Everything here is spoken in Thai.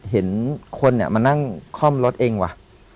เห็นคนมานั่งคล่อมรถเองว่ะ